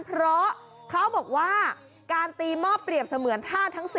เพราะเขาบอกว่าการตีหม้อเปรียบเสมือนท่าทั้ง๔